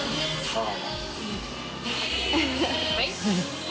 はい？